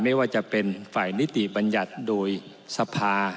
ไม่ว่าจะเป็นฝ่ายนิติบัญญัติโดยสภา